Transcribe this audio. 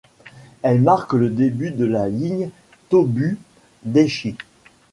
Elle marque le début de la ligne Tōbu Daishi.